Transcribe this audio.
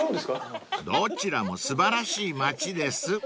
［どちらも素晴らしい街です］